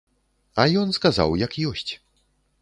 А ён сказаў як ёсць.